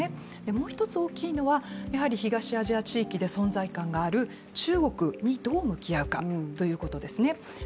もう一つ大きいのは東アジア地域で存在感がある中国にどう向き合うかということですね。